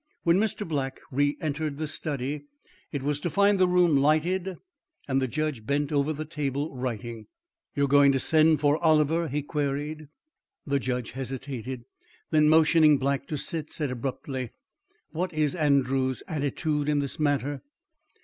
When Mr. Black re entered the study, it was to find the room lighted and the judge bent over the table, writing. "You are going to send for Oliver?" he queried. The judge hesitated, then motioning Black to sit, said abruptly: "What is Andrews' attitude in this matter?"